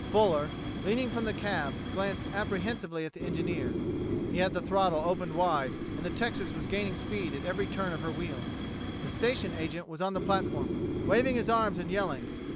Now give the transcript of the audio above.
Fuller, leaning from the cab, glanced apprehensively at the engineer. He had the throttle opened wide and the Texas was gaining speed at every turn of her wheels. The station agent was on the platform, waving his arms and yelling.